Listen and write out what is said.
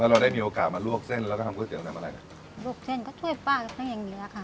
แล้วเราได้มีโอกาสมาลวกเส้นแล้วก็ทำก๋วยเตี๋ยวนั้นอะไรนะลวกเส้นก็ช่วยป้ากันอย่างนี้แหละค่ะ